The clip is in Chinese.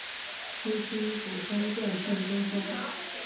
七星主峰更胜东峰